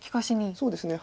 そうですね。